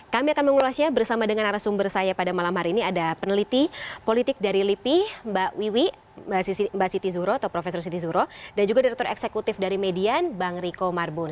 kami akan mengulasnya bersama dengan arah sumber saya pada malam hari ini ada peneliti politik dari lipi mbak wiwi mbak siti zuhro atau profesor siti zuro dan juga direktur eksekutif dari median bang riko marbun